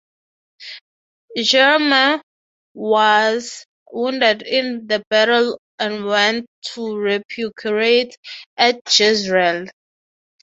Jehoram was wounded in the battle, and went to recuperate at Jezreel.